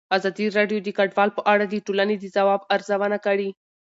ازادي راډیو د کډوال په اړه د ټولنې د ځواب ارزونه کړې.